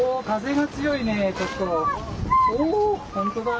風が強いねちょっと。